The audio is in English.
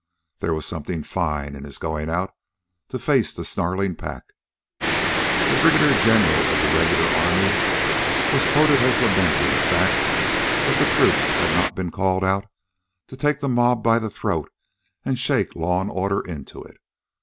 There was something fine in his going out to face the snarling pack. A brigadier general of the regular army was quoted as lamenting the fact that the troops had not been called out to take the mob by the throat and shake law and order into it.